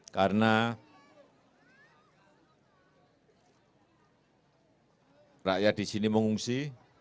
karena rakyat di sini mengungsi